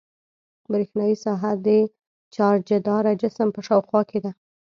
برېښنايي ساحه د چارجداره جسم په شاوخوا کې ده.